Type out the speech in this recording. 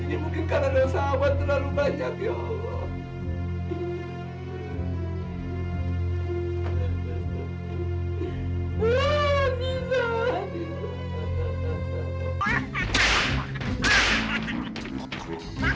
ini mungkin karena ada sahabat terlalu banyak ya allah